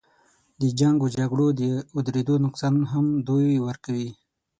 د جنګ و جګړو د اودرېدو نقصان هم دوی ورکوي.